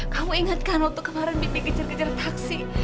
kamu inget kan waktu kemarin bibi kejar kejar taksi